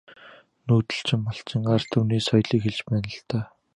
Нүүдэлчин малчин ард түмний соёлыг хэлж байна л даа.